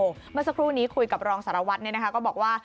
เมื่อสักครู่นี้คุยกับรองสารวัตรก็บอกว่า